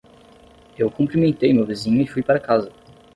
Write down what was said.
Eu cumprimentei meu vizinho e fui para casa.